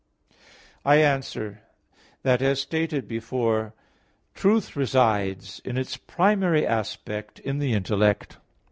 I answer that, As stated before, truth resides, in its primary aspect, in the intellect.